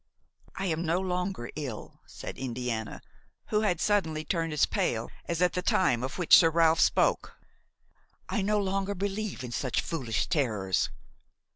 "I am no longer ill," said Indiana, who had suddenly turned as pale as at the time of which Sir Ralph spoke; "I no longer believe in such foolish terrors."